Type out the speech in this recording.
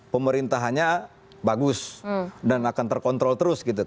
pemerintahnya bagus dan akan terkontrol terus